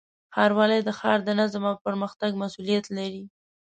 ښاروالۍ د ښار د نظم او پرمختګ مسؤلیت لري.